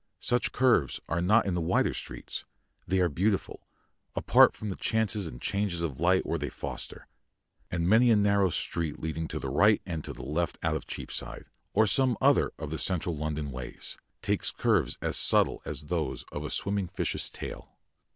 Such curves are not in the wider streets; they are beautiful, apart from the chances and changes of light which they foster, and many a narrow street leading to the right and to the left out of Cheapside, or some other of the central London ways, takes curves as subtle as those of a swimming fish's tail.